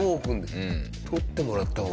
取ってもらった方が早いのか？